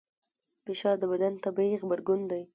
فشار د بدن طبیعي غبرګون دی.